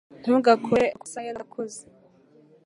Ntugakore amakosa nkayo nakoze